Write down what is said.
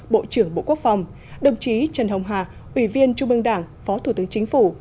bộ trưởng bộ quốc phòng đồng chí trần hồng hà ủy viên trung ương đảng phó thủ tướng chính phủ